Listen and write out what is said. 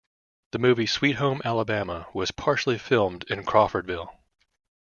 The movie "Sweet Home Alabama" was partially filmed in Crawfordville.